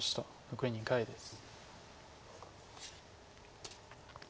残り２回です。